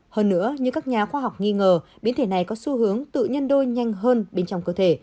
hơn nữa như các nhà khoa học nghi ngờ biến thể này có xu hướng tự nhân đôi nhanh hơn bên trong cơ thể